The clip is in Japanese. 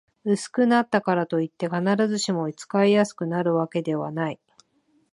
薄くなったからといって、必ずしも使いやすくなるわけではない